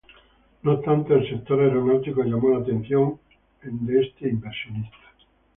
No obstante, el sector aeronáutico llamó la atención de este inversionista.